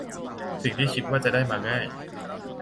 สิ่งที่คิดว่าจะได้มาง่าย